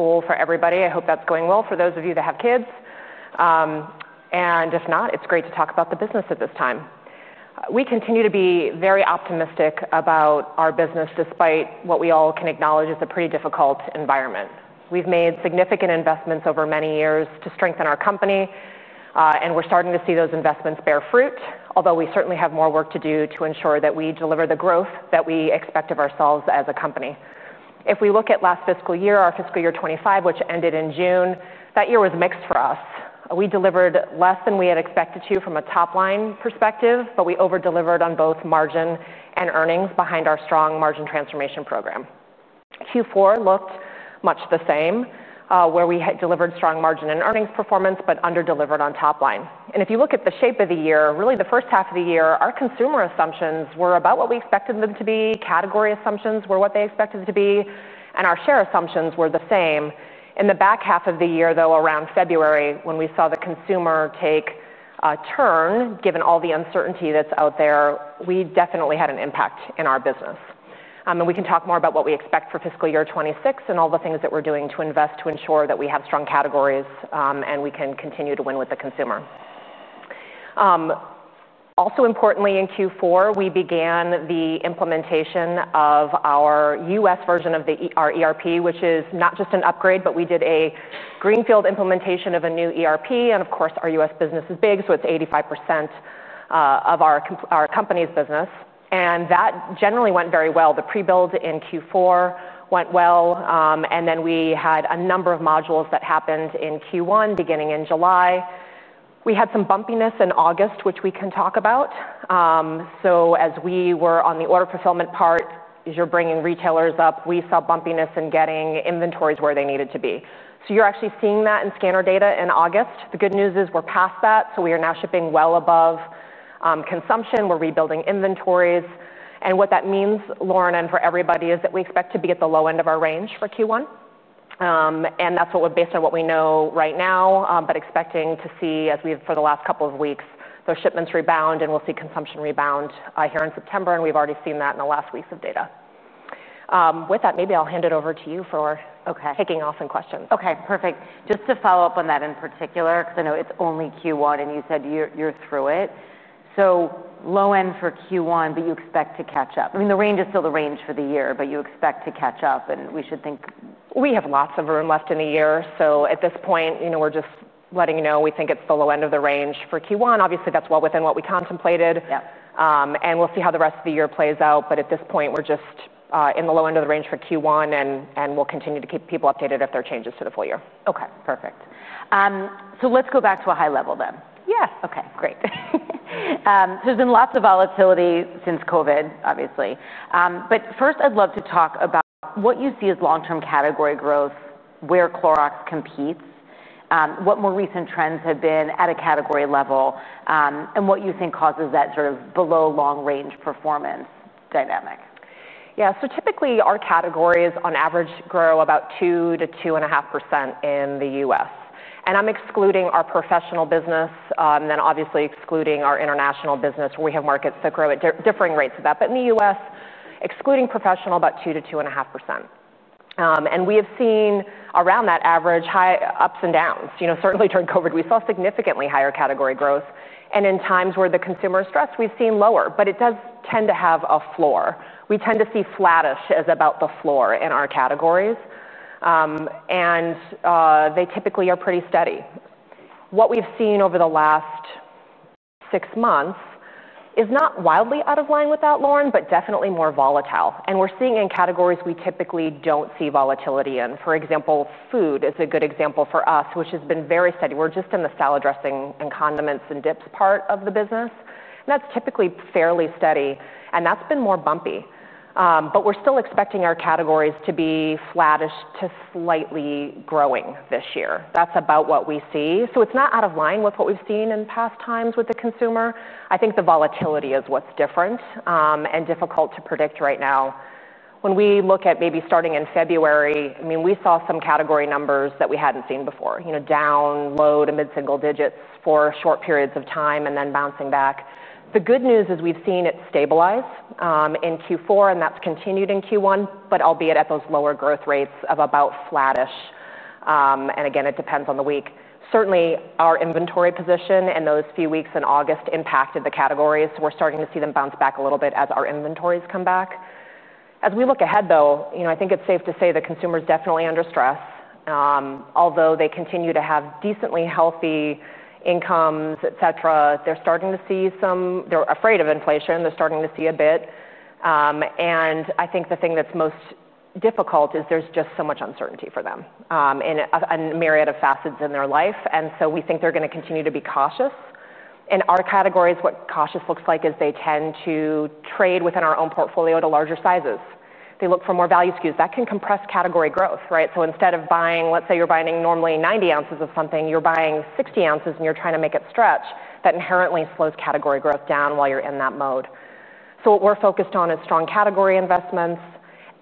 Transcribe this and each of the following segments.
Back to school for everybody. I hope that's going well for those of you that have kids. If not, it's great to talk about the business at this time. We continue to be very optimistic about our business despite what we all can acknowledge is a pretty difficult environment. We've made significant investments over many years to strengthen our company, and we're starting to see those investments bear fruit, although we certainly have more work to do to ensure that we deliver the growth that we expect of ourselves as a company. If we look at last fiscal year, our fiscal year 2025, which ended in June, that year was mixed for us. We delivered less than we had expected to from a top-line perspective, but we over-delivered on both margin and earnings behind our strong margin transformation program. Q4 looked much the same, where we delivered strong margin and earnings performance, but under-delivered on top-line. If you look at the shape of the year, really the first half of the year, our consumer assumptions were about what we expected them to be. Category assumptions were what they expected to be, and our share assumptions were the same. In the back half of the year, though, around February, when we saw the consumer take a turn, given all the uncertainty that's out there, we definitely had an impact in our business. We can talk more about what we expect for fiscal year 2026 and all the things that we're doing to invest to ensure that we have strong categories and we can continue to win with the consumer. Also importantly, in Q4, we began the implementation of our U.S. version of our ERP system, which is not just an upgrade, but we did a greenfield implementation of a new ERP. Of course, our U.S. business is big, so it's 85% of our company's business. That generally went very well. The pre-build in Q4 went well. We had a number of modules that happened in Q1, beginning in July. We had some bumpiness in August, which we can talk about. As we were on the order fulfillment part, as you're bringing retailers up, we saw bumpiness in getting inventories where they needed to be. You're actually seeing that in scanner data in August. The good news is we're past that. We are now shipping well above consumption. We're rebuilding inventories. What that means, Lauren, and for everybody, is that we expect to be at the low end of our range for Q1. That's based on what we know right now, but expecting to see, as we have for the last couple of weeks, those shipments rebound and we'll see consumption rebound here in September. We've already seen that in the last weeks of data. With that, maybe I'll hand it over to you for kicking off in questions. OK. Perfect. Just to follow up on that in particular, because I know it's only Q1, and you said you're through it. Low end for Q1, but you expect to catch up. The range is still the range for the year, but you expect to catch up. We should think. We have lots of room left in a year. At this point, we're just letting you know we think it's the low end of the range for Q1. Obviously, that's well within what we contemplated. We'll see how the rest of the year plays out. At this point, we're just in the low end of the range for Q1, and we'll continue to keep people updated if there are changes to the full year. OK. Perfect. Let's go back to a high level, then. Yeah. Great. There's been lots of volatility since COVID, obviously. First, I'd love to talk about what you see as long-term category growth, where Clorox competes, what more recent trends have been at a category level, and what you think causes that sort of below long-range performance dynamic. Yeah. Typically, our categories, on average, grow about 2% - 2.5% in the U.S. I'm excluding our professional business, and obviously excluding our international business, where we have markets that grow at differing rates from that. In the U.S., excluding professional, about 2% - 2.5%. We have seen, around that average, high ups and downs. Certainly, during COVID, we saw significantly higher category growth. In times where the consumer is stressed, we've seen lower. It does tend to have a floor. We tend to see flattish as about the floor in our categories. They typically are pretty steady. What we've seen over the last six months is not wildly out of line with that, Lauren, but definitely more volatile. We're seeing it in categories we typically don't see volatility in. For example, food is a good example for us, which has been very steady. We're just in the salad, dressing, and condiments, and dips part of the business. That's typically fairly steady. That's been more bumpy. We're still expecting our categories to be flattish to slightly growing this year. That's about what we see. It's not out of line with what we've seen in past times with the consumer. I think the volatility is what's different and difficult to predict right now. When we look at maybe starting in February, we saw some category numbers that we hadn't seen before, down, low to mid-single digits for short periods of time, and then bouncing back. The good news is we've seen it stabilize in Q4, and that's continued in Q1, albeit at those lower growth rates of about flattish. Again, it depends on the week. Certainly, our inventory position in those few weeks in August impacted the categories. We're starting to see them bounce back a little bit as our inventories come back. As we look ahead, I think it's safe to say the consumer's definitely under stress. Although they continue to have decently healthy incomes, et cetera, they're starting to see some, they're afraid of inflation. They're starting to see a bit. I think the thing that's most difficult is there's just so much uncertainty for them in a myriad of facets in their life. We think they're going to continue to be cautious. In our categories, what cautious looks like is they tend to trade within our own portfolio to larger sizes. They look for more value SKUs. That can compress category growth, right? Instead of buying, let's say you're buying normally 90 ounces of something, you're buying 60 ounces, and you're trying to make it stretch. That inherently slows category growth down while you're in that mode. What we're focused on is strong category investments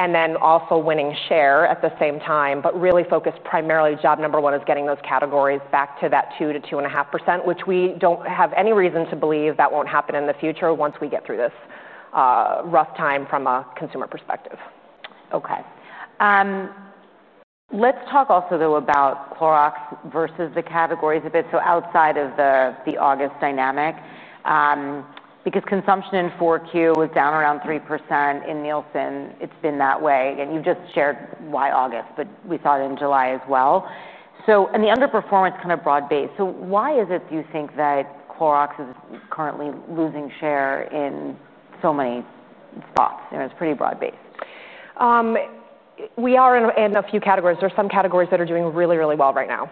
and then also winning share at the same time, but really focused primarily, job number one is getting those categories back to that 2% - 2.5%, which we don't have any reason to believe that won't happen in the future once we get through this rough time from a consumer perspective. OK. Let's talk also, though, about Clorox versus the categories a bit. Outside of the August dynamic, because consumption in 4Q was down around 3%. In Nielsen, it's been that way. You just shared why August, but we saw it in July as well. The underperformance is kind of broad based. Why is it, do you think, that Clorox is currently losing share in so many spots? It's pretty broad based. We are in a few categories. There are some categories that are doing really, really well right now.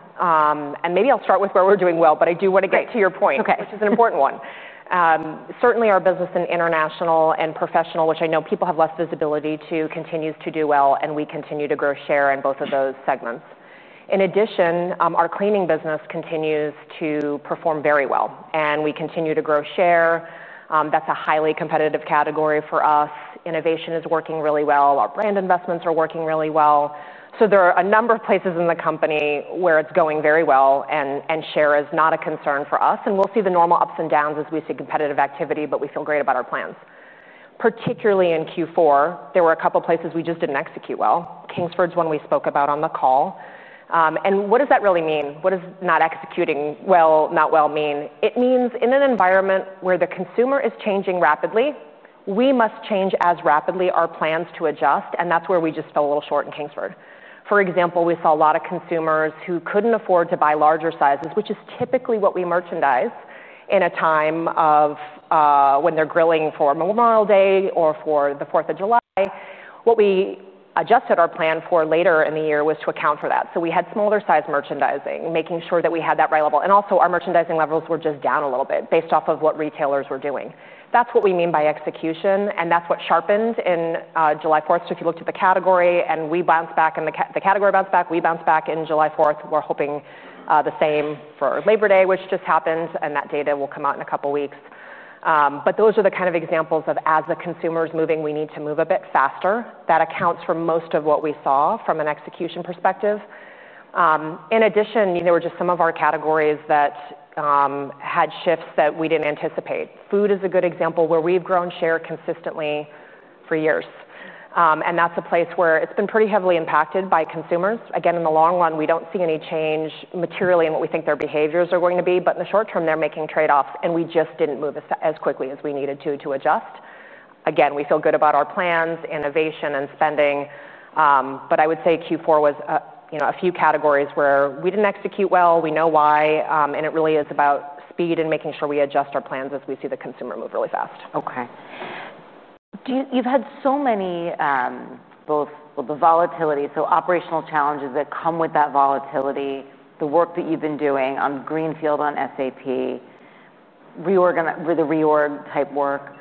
Maybe I'll start with where we're doing well, but I do want to get to your point, which is an important one. Certainly, our business in international and professional, which I know people have less visibility to, continues to do well, and we continue to grow share in both of those segments. In addition, our cleaning business continues to perform very well, and we continue to grow share. That's a highly competitive category for us. Innovation is working really well. Our brand investments are working really well. There are a number of places in the company where it's going very well, and share is not a concern for us. We'll see the normal ups and downs as we see competitive activity, but we feel great about our plans. Particularly in Q4, there were a couple of places we just didn't execute well. Kingsford's one we spoke about on the call. What does that really mean? What does not executing well, not well mean? It means in an environment where the consumer is changing rapidly, we must change as rapidly our plans to adjust. That's where we just fell a little short in Kingsford. For example, we saw a lot of consumers who couldn't afford to buy larger sizes, which is typically what we merchandise in a time of when they're grilling for Memorial Day or for the 4th of July. What we adjusted our plan for later in the year was to account for that. We had smaller size merchandising, making sure that we had that right level. Also, our merchandising levels were just down a little bit based off of what retailers were doing. That's what we mean by execution. That's what sharpened in July 4th. If you looked at the category, and we bounced back, and the category bounced back, we bounced back in July 4th. We're hoping the same for Labor Day, which just happened. That data will come out in a couple of weeks. Those are the kind of examples of, as the consumer's moving, we need to move a bit faster. That accounts for most of what we saw from an execution perspective. In addition, there were just some of our categories that had shifts that we didn't anticipate. Food is a good example, where we've grown share consistently for years. That's a place where it's been pretty heavily impacted by consumers. Again, in the long run, we don't see any change materially in what we think their behaviors are going to be. In the short term, they're making trade-offs. We just didn't move as quickly as we needed to to adjust. We feel good about our plans, innovation, and spending. I would say Q4 was a few categories where we didn't execute well. We know why. It really is about speed and making sure we adjust our plans as we see the consumer move really fast. OK. You've had so many, both the volatility, operational challenges that come with that volatility, the work that you've been doing on greenfield on SAP, the reorg type work.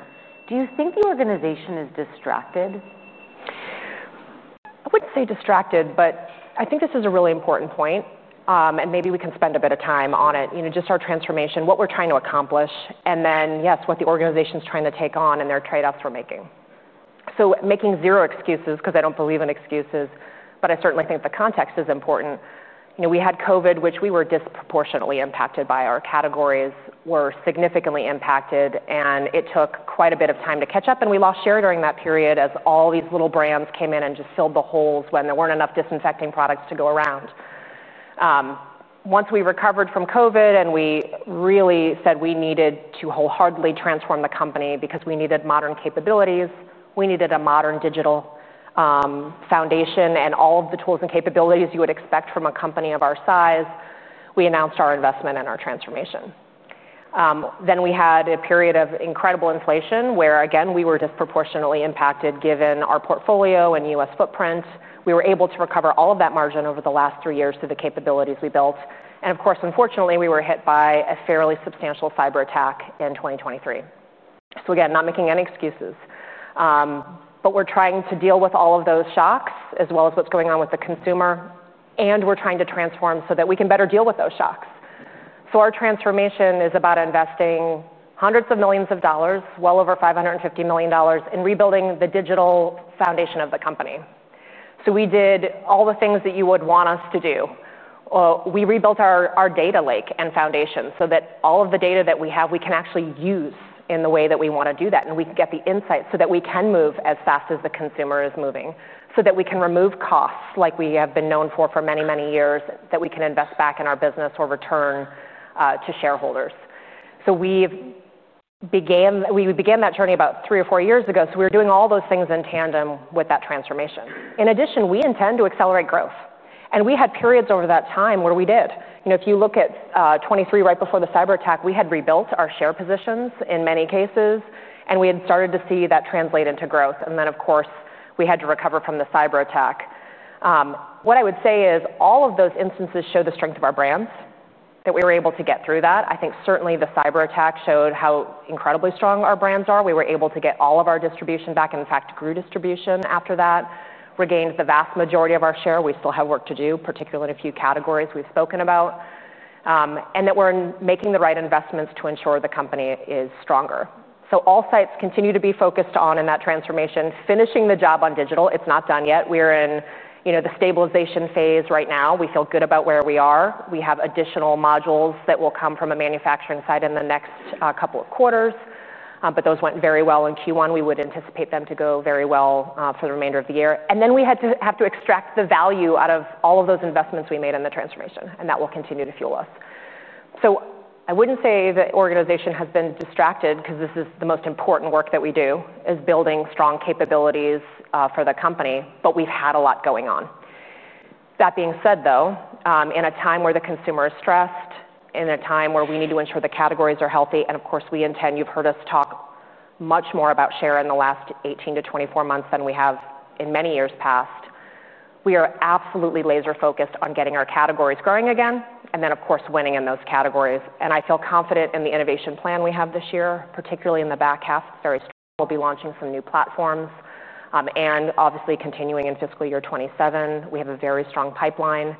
Do you think the organization is distracted? I wouldn't say distracted, but I think this is a really important point. Maybe we can spend a bit of time on it, just our transformation, what we're trying to accomplish, and then, yes, what the organization's trying to take on and the trade-offs we're making. Making zero excuses, because I don't believe in excuses, but I certainly think the context is important. We had COVID, which we were disproportionately impacted by. Our categories were significantly impacted, and it took quite a bit of time to catch up. We lost share during that period as all these little brands came in and just filled the holes when there weren't enough disinfecting products to go around. Once we recovered from COVID, we really said we needed to wholeheartedly transform the company because we needed modern capabilities, we needed a modern digital foundation, and all of the tools and capabilities you would expect from a company of our size. We announced our investment in our transformation. We had a period of incredible inflation where, again, we were disproportionately impacted given our portfolio and U.S. footprint. We were able to recover all of that margin over the last three years through the capabilities we built. Unfortunately, we were hit by a fairly substantial cyber attack in 2023. Not making any excuses, but we're trying to deal with all of those shocks, as well as what's going on with the consumer. We're trying to transform so that we can better deal with those shocks. Our transformation is about investing hundreds of millions of dollars, well over $550 million, in rebuilding the digital foundation of the company. We did all the things that you would want us to do. We rebuilt our data lake and foundation so that all of the data that we have, we can actually use in the way that we want to do that. We can get the insights so that we can move as fast as the consumer is moving, so that we can remove costs, like we have been known for for many, many years, that we can invest back in our business or return to shareholders. We began that journey about three or four years ago. We were doing all those things in tandem with that transformation. In addition, we intend to accelerate growth, and we had periods over that time where we did. If you look at 2023, right before the cyber attack, we had rebuilt our share positions in many cases, and we had started to see that translate into growth. Of course, we had to recover from the cyber attack. What I would say is all of those instances show the strength of our brands, that we were able to get through that. I think certainly the cyber attack showed how incredibly strong our brands are. We were able to get all of our distribution back. In fact, grew distribution after that, regained the vast majority of our share. We still have work to do, particularly in a few categories we've spoken about, and we're making the right investments to ensure the company is stronger. All sites continue to be focused on in that transformation, finishing the job on digital. It's not done yet. We are in the stabilization phase right now. We feel good about where we are. We have additional modules that will come from a manufacturing side in the next couple of quarters, but those went very well in Q1. We would anticipate them to go very well for the remainder of the year. We had to extract the value out of all of those investments we made in the transformation, and that will continue to fuel us. I wouldn't say the organization has been distracted, because this is the most important work that we do, building strong capabilities for the company. We've had a lot going on. That being said, in a time where the consumer is stressed, in a time where we need to ensure the categories are healthy, and of course, you have heard us talk much more about share in the last 18 to 24 months than we have in many years past, we are absolutely laser-focused on getting our categories growing again, and winning in those categories. I feel confident in the innovation plan we have this year, particularly in the back half. We'll be launching some new platforms, and obviously, continuing in fiscal year 2027, we have a very strong pipeline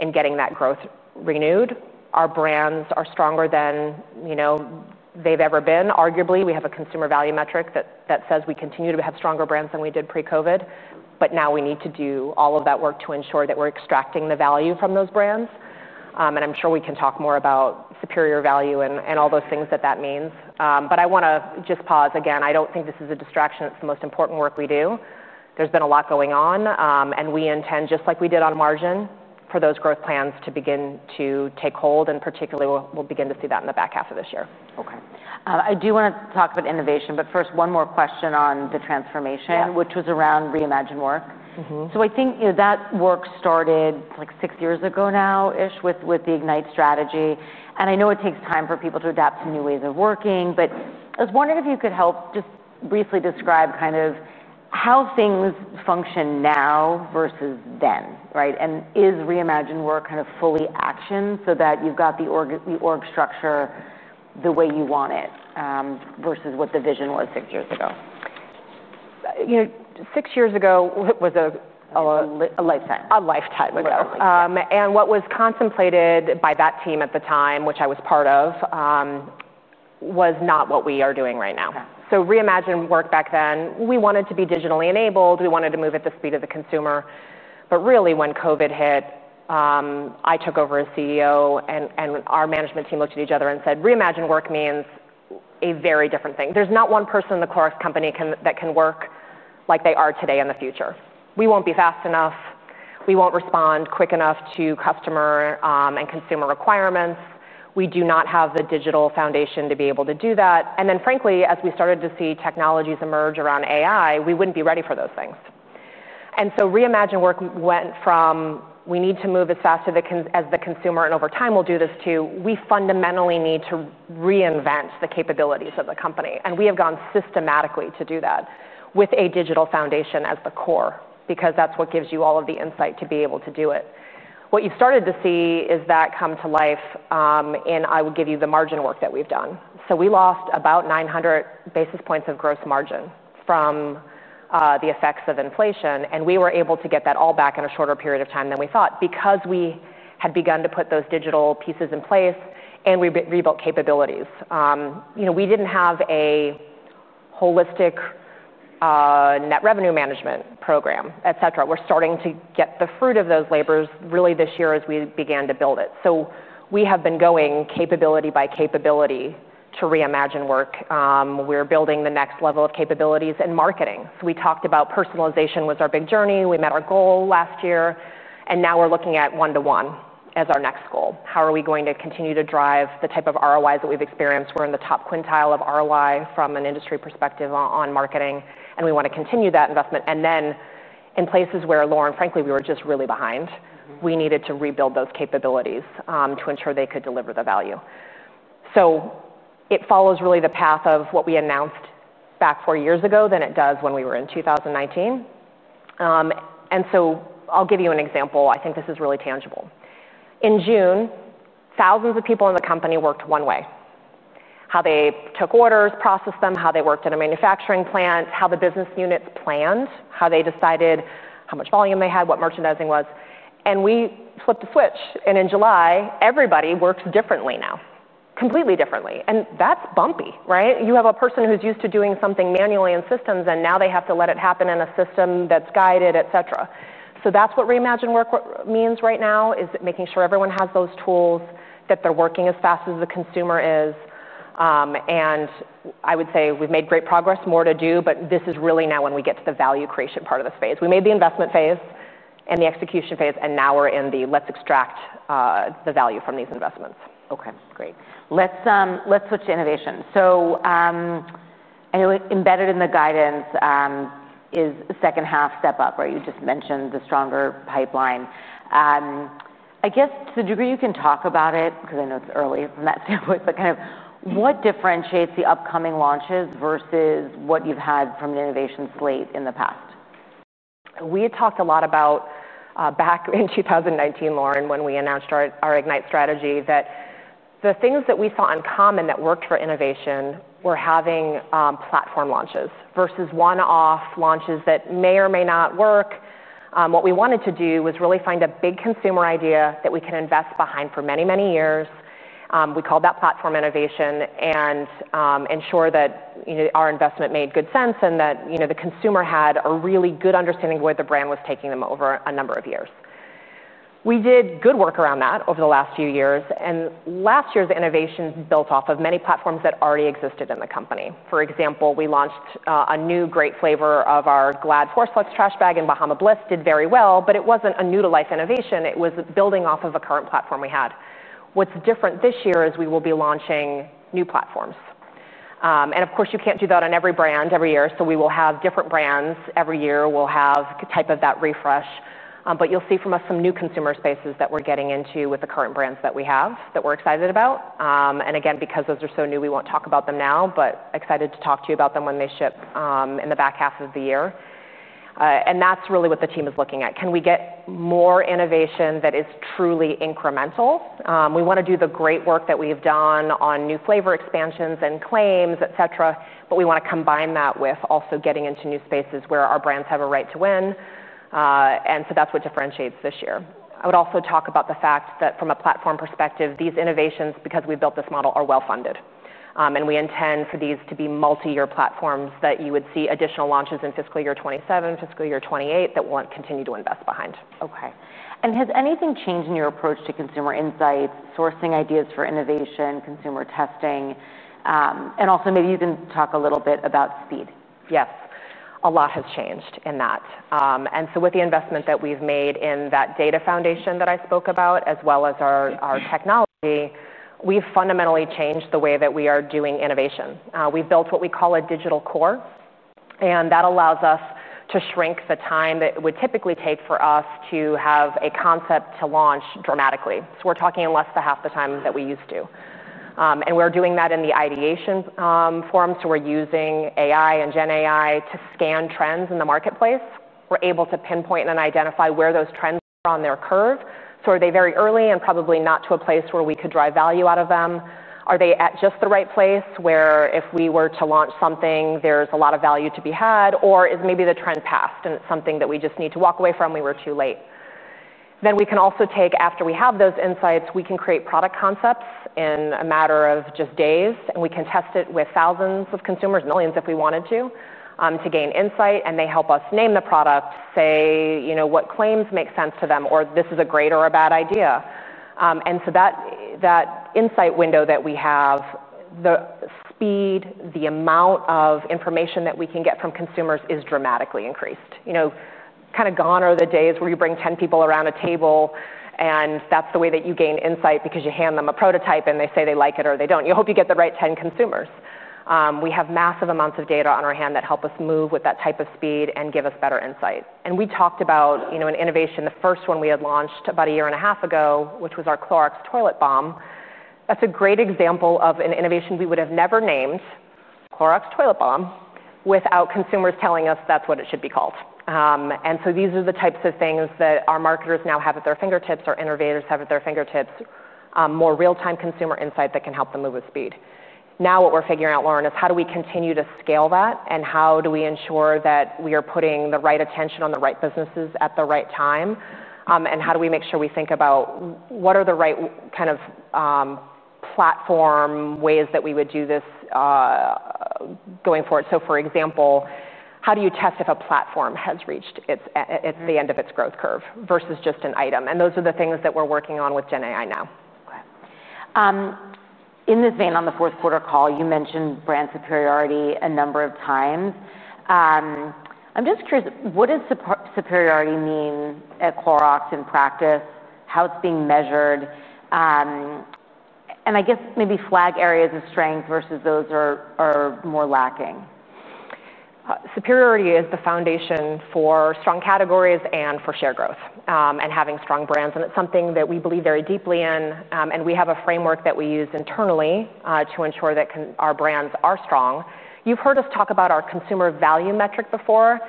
in getting that growth renewed. Our brands are stronger than they've ever been, arguably. We have a consumer value metric that says we continue to have stronger brands than we did pre-COVID. Now we need to do all of that work to ensure that we're extracting the value from those brands. I'm sure we can talk more about superior value and all those things that that means. I want to just pause. Again, I don't think this is a distraction. It's the most important work we do. There's been a lot going on. We intend, just like we did on margin, for those growth plans to begin to take hold. We will begin to see that in the back half of this year. OK. I do want to talk about innovation. First, one more question on the transformation, which was around reimagined work. I think that work started like six years ago now-ish with the Ignite strategy. I know it takes time for people to adapt to new ways of working. I was wondering if you could help just briefly describe kind of how things function now versus then, right? Is reimagined work kind of fully action so that you've got the org structure the way you want it versus what the vision was six years ago? Six years ago was a lifetime. A lifetime. Exactly. What was contemplated by that team at the time, which I was part of, was not what we are doing right now. Reimagined work back then, we wanted to be digitally enabled. We wanted to move at the speed of the consumer. When COVID hit, I took over as CEO, and our management team looked at each other and said, reimagined work means a very different thing. There's not one person in The Clorox Company that can work like they are today in the future. We won't be fast enough. We won't respond quick enough to customer and consumer requirements. We do not have the digital foundation to be able to do that. Frankly, as we started to see technologies emerge around AI, we wouldn't be ready for those things. Reimagined work went from, we need to move as fast as the consumer, and over time, we'll do this too. We fundamentally need to reinvent the capabilities of the company. We have gone systematically to do that with a digital foundation as the core, because that's what gives you all of the insight to be able to do it. What you've started to see is that come to life in, I will give you the margin work that we've done. We lost about 900 basis points of gross margin from the effects of inflation. We were able to get that all back in a shorter period of time than we thought because we had begun to put those digital pieces in place, and we rebuilt capabilities. We didn't have a holistic net revenue management program, et cetera. We're starting to get the fruit of those labors really this year as we began to build it. We have been going capability by capability to reimagined work. We're building the next level of capabilities in marketing. We talked about personalization was our big journey. We met our goal last year. Now we're looking at one-to-one as our next goal. How are we going to continue to drive the type of ROIs that we've experienced? We're in the top quintile of ROI from an industry perspective on marketing. We want to continue that investment. In places where, Lauren, frankly, we were just really behind, we needed to rebuild those capabilities to ensure they could deliver the value. It follows really the path of what we announced back four years ago than it does when we were in 2019. I'll give you an example. I think this is really tangible. In June, thousands of people in the company worked one way, how they took orders, processed them, how they worked in a manufacturing plant, how the business units planned, how they decided how much volume they had, what merchandising was. We flipped a switch. In July, everybody works differently now, completely differently. That's bumpy, right? You have a person who's used to doing something manually in systems, and now they have to let it happen in a system that's guided, et cetera. That's what reimagined work means right now, is making sure everyone has those tools, that they're working as fast as the consumer is. I would say we've made great progress, more to do. This is really now when we get to the value creation part of the space. We made the investment phase and the execution phase. Now we're in the let's extract the value from these investments. OK. Great. Let's switch to innovation. Embedded in the guidance is the second half step up, right? You just mentioned the stronger pipeline. I guess to the degree you can talk about it, because I know it's early from that standpoint, but kind of what differentiates the upcoming launches versus what you've had from the innovation slate in the past? We had talked a lot about back in 2019, Lauren, when we announced our Ignite strategy, that the things that we saw in common that worked for innovation were having platform launches versus one-off launches that may or may not work. What we wanted to do was really find a big consumer idea that we can invest behind for many, many years. We called that platform innovation and ensure that our investment made good sense and that the consumer had a really good understanding of where the brand was taking them over a number of years. We did good work around that over the last few years, and last year's innovations built off of many platforms that already existed in the company. For example, we launched a new great flavor of our Glad trash bags in Bahama Bliss. Did very well. It wasn't a new-to-life innovation. It was building off of a current platform we had. What's different this year is we will be launching new platforms. Of course, you can't do that on every brand every year. We will have different brands every year. We'll have a type of that refresh. You'll see from us some new consumer spaces that we're getting into with the current brands that we have that we're excited about. Because those are so new, we won't talk about them now, but excited to talk to you about them when they ship in the back half of the year. That's really what the team is looking at. Can we get more innovation that is truly incremental? We want to do the great work that we've done on new flavor expansions and claims, et cetera. We want to combine that with also getting into new spaces where our brands have a right to win. That's what differentiates this year. I would also talk about the fact that from a platform perspective, these innovations, because we've built this model, are well funded. We intend for these to be multi-year platforms that you would see additional launches in fiscal year 2027, fiscal year 2028 that we'll continue to invest behind. Has anything changed in your approach to consumer insights, sourcing ideas for innovation, consumer testing, and also maybe you can talk a little bit about speed? Yes. A lot has changed in that. With the investment that we've made in that data foundation that I spoke about, as well as our technology, we've fundamentally changed the way that we are doing innovation. We've built what we call a digital core, and that allows us to shrink the time that it would typically take for us to have a concept to launch dramatically. We're talking less than half the time that we used to, and we're doing that in the ideation form. We're using AI and GenAI to scan trends in the marketplace. We're able to pinpoint and identify where those trends are on their curve. Are they very early and probably not to a place where we could drive value out of them? Are they at just the right place where, if we were to launch something, there's a lot of value to be had? Is maybe the trend past and it's something that we just need to walk away from? We were too late. After we have those insights, we can create product concepts in a matter of just days, and we can test it with thousands of consumers, millions if we wanted to, to gain insight. They help us name the product, say what claims make sense to them, or this is a great or a bad idea. That insight window that we have, the speed, the amount of information that we can get from consumers is dramatically increased. Gone are the days where you bring 10 people around a table, and that's the way that you gain insight because you hand them a prototype, and they say they like it or they don't. You hope you get the right 10 consumers. We have massive amounts of data on our hand that help us move with that type of speed and give us better insight. We talked about an innovation, the first one we had launched about a year and a half ago, which was our Clorox Toilet Bomb. That's a great example of an innovation we would have never named, Clorox Toilet Bomb, without consumers telling us that's what it should be called. These are the types of things that our marketers now have at their fingertips, our innovators have at their fingertips, more real-time consumer insight that can help them move with speed. Now what we're figuring out, Lauren, is how do we continue to scale that? How do we ensure that we are putting the right attention on the right businesses at the right time? How do we make sure we think about what are the right kind of platform ways that we would do this going forward? For example, how do you test if a platform has reached the end of its growth curve versus just an item? Those are the things that we're working on with GenAI now. OK. In this vein, on the fourth quarter call, you mentioned brand superiority a number of times. I'm just curious, what does superiority mean at Clorox in practice? How is it being measured? I guess maybe flag areas of strength versus those that are more lacking. Superiority is the foundation for strong categories and for share growth and having strong brands. It is something that we believe very deeply in. We have a framework that we use internally to ensure that our brands are strong. You've heard us talk about our consumer value metric before.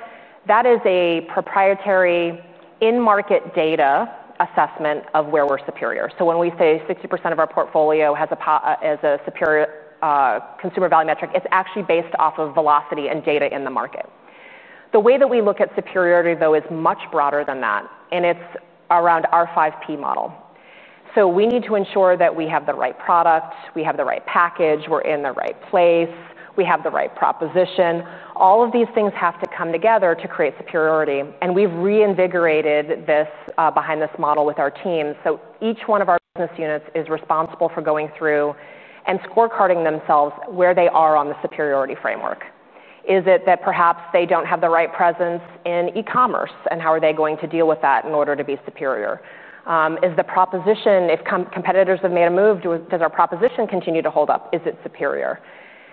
That is a proprietary in-market data assessment of where we're superior. When we say 60% of our portfolio has a superior consumer value metric, it's actually based off of velocity and data in the market. The way that we look at superiority is much broader than that, and it's around our 5P model. We need to ensure that we have the right product, we have the right package, we're in the right place, we have the right proposition. All of these things have to come together to create superiority. We've reinvigorated this behind this model with our team. Each one of our business units is responsible for going through and scorecarding themselves where they are on the superiority framework. Is it that perhaps they don't have the right presence in e-commerce? How are they going to deal with that in order to be superior? Is the proposition, if competitors have made a move, does our proposition continue to hold up? Is it superior?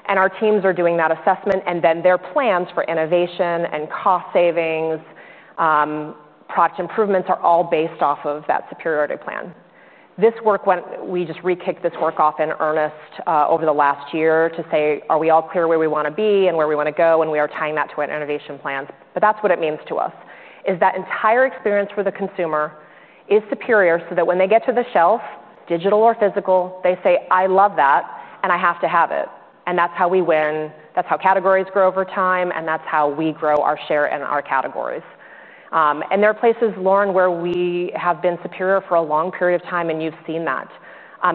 Our teams are doing that assessment, and then their plans for innovation and cost savings, product improvements are all based off of that superiority plan. This work, we just re-kicked this work off in earnest over the last year to say, are we all clear where we want to be and where we want to go? We are tying that to our innovation plans. That's what it means to us, that entire experience for the consumer is superior so that when they get to the shelf, digital or physical, they say, I love that, and I have to have it. That's how we win. That's how categories grow over time. That's how we grow our share in our categories. There are places, Lauren, where we have been superior for a long period of time. You've seen that.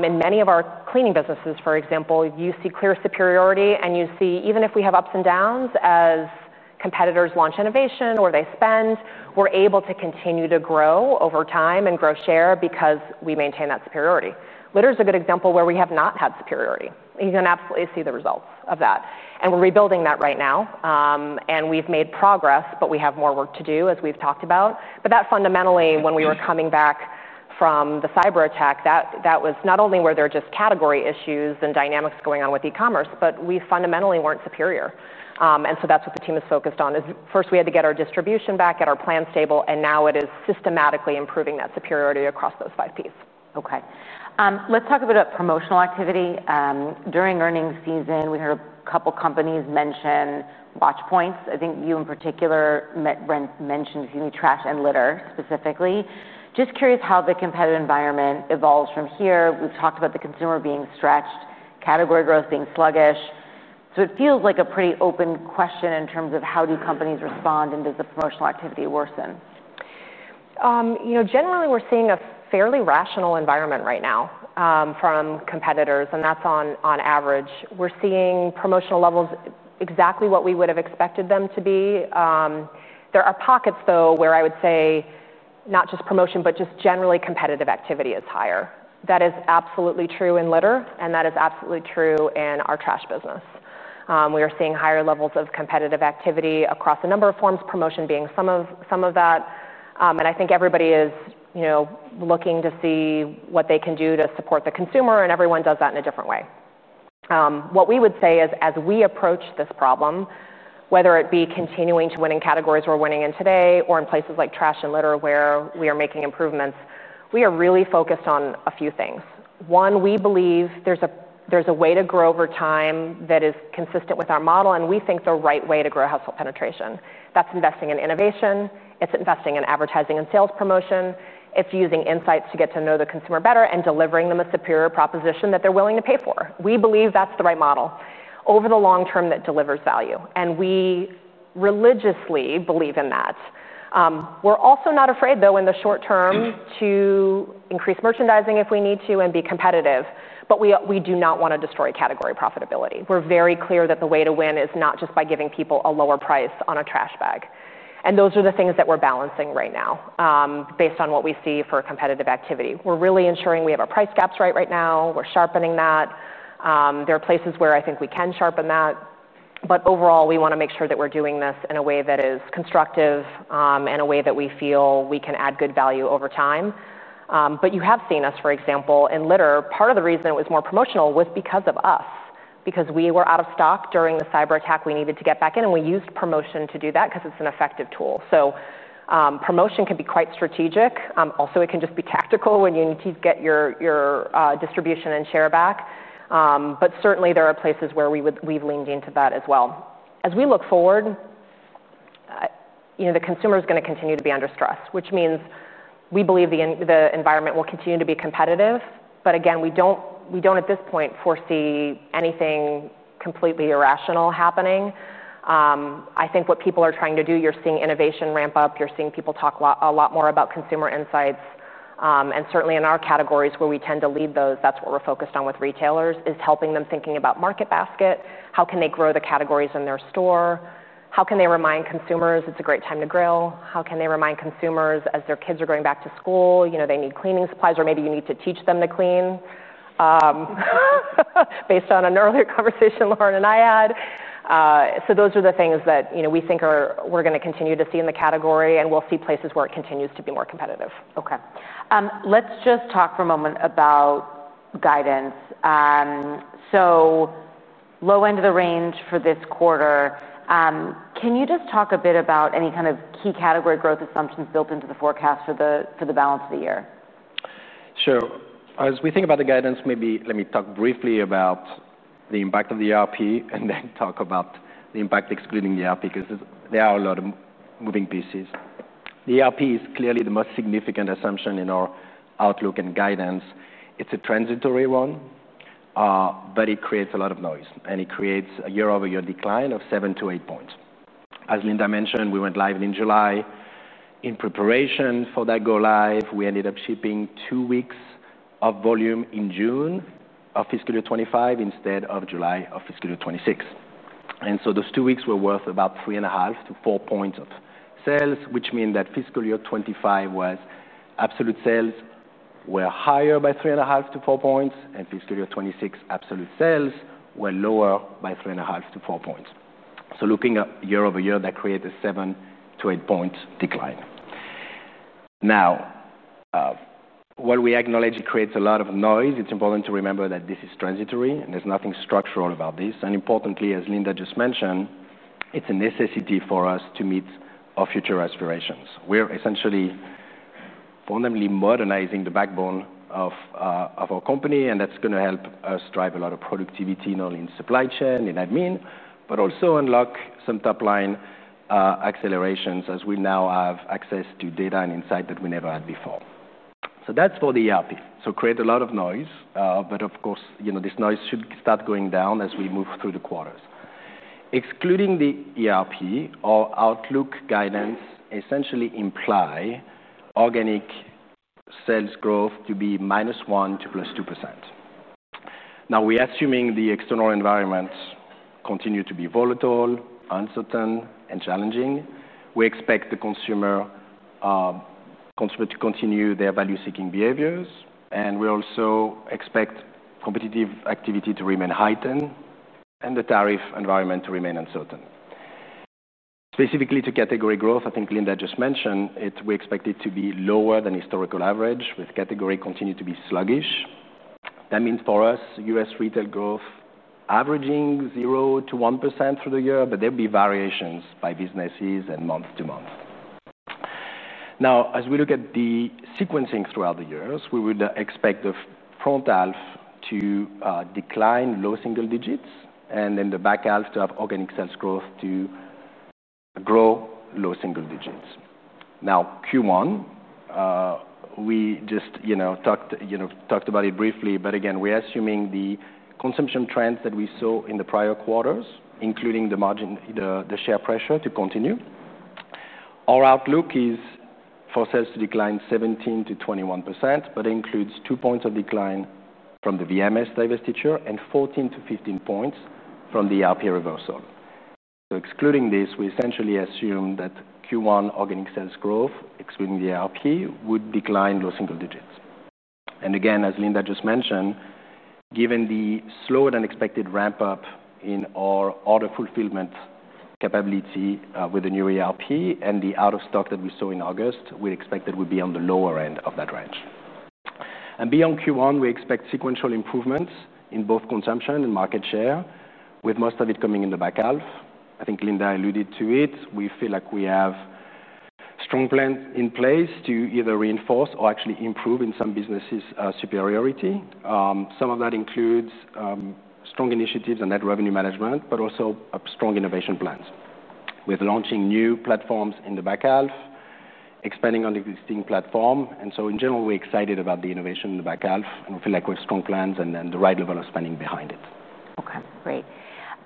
In many of our cleaning businesses, for example, you see clear superiority. You see, even if we have ups and downs as competitors launch innovation or they spend, we're able to continue to grow over time and grow share because we maintain that superiority. Litter's a good example where we have not had superiority. You can absolutely see the results of that. We're rebuilding that right now. We've made progress, but we have more work to do, as we've talked about. Fundamentally, when we were coming back from the cyber attack, not only were there just category issues and dynamics going on with e-commerce, but we fundamentally weren't superior. That is what the team is focused on. First, we had to get our distribution back, get our plans stable. Now it is systematically improving that superiority across those 5Ps. OK. Let's talk about promotional activity. During earnings season, we heard a couple of companies mention watchpoints. I think you, in particular, mentioned trash and litter specifically. Just curious how the competitive environment evolves from here. We've talked about the consumer being stretched, category growth being sluggish. It feels like a pretty open question in terms of how do companies respond, and does the promotional activity worsen? Generally, we're seeing a fairly rational environment right now from competitors. That's on average. We're seeing promotional levels exactly what we would have expected them to be. There are pockets, though, where I would say not just promotion, but just generally competitive activity is higher. That is absolutely true in litter, and that is absolutely true in our trash business. We are seeing higher levels of competitive activity across a number of forms, promotion being some of that. I think everybody is looking to see what they can do to support the consumer, and everyone does that in a different way. What we would say is, as we approach this problem, whether it be continuing to win in categories we're winning in today or in places like trash and litter where we are making improvements, we are really focused on a few things. One, we believe there's a way to grow over time that is consistent with our model, and we think the right way to grow household penetration. That's investing in innovation, it's investing in advertising and sales promotion, it's using insights to get to know the consumer better and delivering them a superior proposition that they're willing to pay for. We believe that's the right model over the long term that delivers value, and we religiously believe in that. We're also not afraid, though, in the short term to increase merchandising if we need to and be competitive. We do not want to destroy category profitability. We're very clear that the way to win is not just by giving people a lower price on a trash bag. Those are the things that we're balancing right now based on what we see for competitive activity. We're really ensuring we have our price gaps right right now. We're sharpening that. There are places where I think we can sharpen that. Overall, we want to make sure that we're doing this in a way that is constructive, in a way that we feel we can add good value over time. You have seen us, for example, in litter. Part of the reason it was more promotional was because of us, because we were out of stock during the cyber attack. We needed to get back in, and we used promotion to do that because it's an effective tool. Promotion can be quite strategic. Also, it can just be tactical when you need to get your distribution and share back. Certainly, there are places where we've leaned into that as well. As we look forward, the consumer is going to continue to be under stress, which means we believe the environment will continue to be competitive. We don't at this point foresee anything completely irrational happening. I think what people are trying to do, you're seeing innovation ramp up. You're seeing people talk a lot more about consumer insights. Certainly, in our categories where we tend to lead those, that's what we're focused on with retailers, is helping them think about market basket. How can they grow the categories in their store? How can they remind consumers it's a great time to grill? How can they remind consumers as their kids are going back to school, they need cleaning supplies, or maybe you need to teach them to clean, based on an earlier conversation Lauren and I had? Those are the things that we think we're going to continue to see in the category. We'll see places where it continues to be more competitive. Let's just talk for a moment about guidance. Low end of the range for this quarter. Can you just talk a bit about any kind of key category growth assumptions built into the forecast for the balance of the year? Sure. As we think about the guidance, maybe let me talk briefly about the impact of the ERP and then talk about the impact excluding the ERP, because there are a lot of moving pieces. The ERP is clearly the most significant assumption in our outlook and guidance. It's a transitory one, but it creates a lot of noise. It creates a year-over-year decline of 7% - 8%. As Linda just mentioned, we went live in July. In preparation for that go live, we ended up shipping two weeks of volume in June of fiscal year 2025 instead of July of fiscal year 2026. Those two weeks were worth about 3.5 to 4 points of sales, which means that fiscal year 2025 absolute sales were higher by 3.5 to 4 points, and fiscal year 2026 absolute sales were lower by 3.5 to 4 points. Looking at year-over-year, that creates a 7% - 8% decline. While we acknowledge it creates a lot of noise, it's important to remember that this is transitory. There's nothing structural about this. Importantly, as Linda just mentioned, it's a necessity for us to meet our future aspirations. We're essentially fundamentally modernizing the backbone of our company. That's going to help us drive a lot of productivity, not only in supply chain and admin, but also unlock some top-line accelerations, as we now have access to data and insight that we never had before. That's for the ERP. It creates a lot of noise. Of course, this noise should start going down as we move through the quarters. Excluding the ERP, our outlook guidance essentially implies organic sales growth to be - 1% to + 2%. We're assuming the external environment continues to be volatile, uncertain, and challenging. We expect the consumer to continue their value-seeking behaviors. We also expect competitive activity to remain heightened and the tariff environment to remain uncertain. Specifically to category growth, I think Linda just mentioned it. We expect it to be lower than historical average, with category continuing to be sluggish. That means for us, U.S. retail growth averaging 0% - 1% through the year. There will be variations by businesses and month to month. As we look at the sequencing throughout the years, we would expect the front half to decline low single digits, and then the back half to have organic sales growth to grow low single digits. Q1, we just talked about it briefly. We're assuming the consumption trends that we saw in the prior quarters, including the share pressure, to continue. Our outlook is for sales to decline 17% - 21%, but it includes 2 points of decline from the VMS divestiture and 14% - 15% from the ERP reversal. Excluding this, we essentially assume that Q1 organic sales growth, excluding the ERP, would decline low single digits. As Linda just mentioned, given the slower than expected ramp-up in our order fulfillment capability with the new ERP and the out-of-stock that we saw in August, we expect it would be on the lower end of that range. Beyond Q1, we expect sequential improvements in both consumption and market share, with most of it coming in the back half. I think Linda alluded to it. We feel like we have strong plans in place to either reinforce or actually improve in some businesses' superiority. Some of that includes strong initiatives in revenue management, but also strong innovation plans, with launching new platforms in the back half, expanding on the existing platform. In general, we're excited about the innovation in the back half. We feel like we have strong plans and the right level of spending behind it. OK. Great.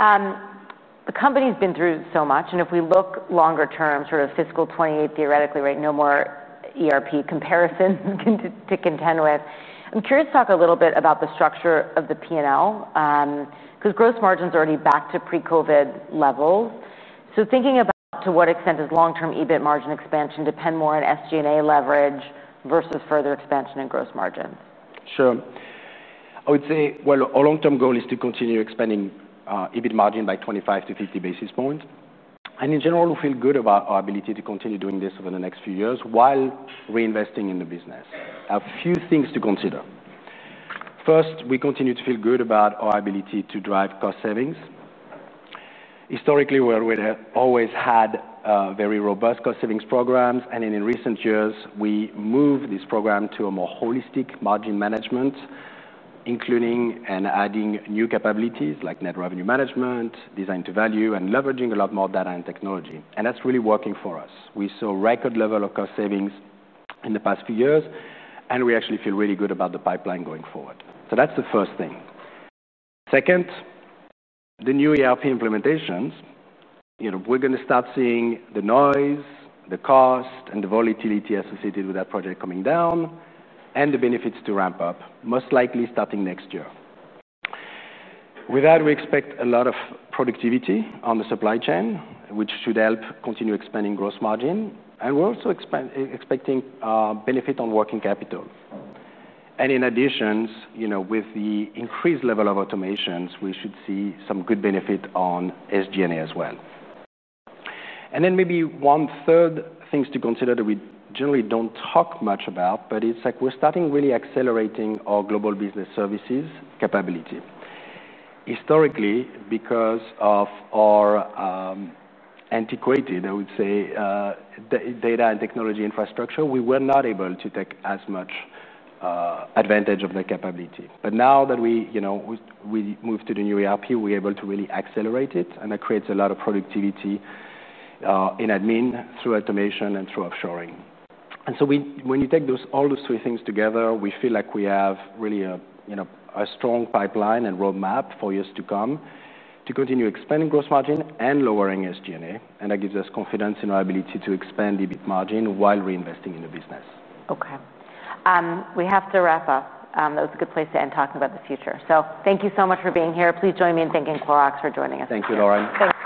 The company's been through so much. If we look longer term, sort of fiscal 2028 theoretically, right, no more ERP comparison to contend with. I'm curious to talk a little bit about the structure of the P&L, because gross margin's already back to pre-COVID level. Thinking about to what extent does long-term EBIT margin expansion depend more on SG&A leverage versus further expansion in gross margin? Sure. I would say our long-term goal is to continue expanding EBIT margin by 25 to 50 basis points. In general, we feel good about our ability to continue doing this over the next few years while reinvesting in the business. A few things to consider. First, we continue to feel good about our ability to drive cost savings. Historically, we always had very robust cost savings programs. In recent years, we moved this program to a more holistic margin management, including adding new capabilities like net revenue management, design to value, and leveraging a lot more data and technology. That's really working for us. We saw a record level of cost savings in the past few years, and we actually feel really good about the pipeline going forward. That's the first thing. Second, the new ERP implementations, we're going to start seeing the noise, the cost, and the volatility associated with that project coming down and the benefits ramp up, most likely starting next year. With that, we expect a lot of productivity on the supply chain, which should help continue expanding gross margin. We're also expecting benefits on working capital. In addition, with the increased level of automation, we should see some good benefit on SG&A as well. Maybe one third thing to consider that we generally don't talk much about, but it's like we're starting really accelerating our global business services capability. Historically, because of our antiquated, I would say, data and technology infrastructure, we were not able to take as much advantage of that capability. Now that we moved to the new ERP, we're able to really accelerate it. That creates a lot of productivity in admin through automation and through offshoring. When you take all those three things together, we feel like we have really a strong pipeline and roadmap for years to come to continue expanding gross margin and lowering SG&A. That gives us confidence in our ability to expand EBIT margin while reinvesting in the business. OK. We have to wrap up. That was a good place to end, talking about the future. Thank you so much for being here. Please join me in thanking Clorox for joining us today. Thank you, Lauren. Thank you.